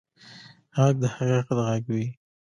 غږ د حقیقت غږ وي